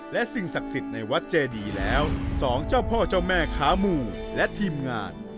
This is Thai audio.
และสิ่งศักดิ์สิทธิ์ในวัดเจดีแล้วสองเจ้าพ่อเจ้าแม่ค้าหมู่และทีมงาน